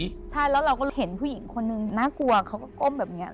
ใช่แล้วเราก็เห็นผู้หญิงคนนึงน่ากลัวเขาก็ก้มแบบนี้